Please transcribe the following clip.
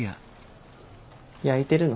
やいてるの？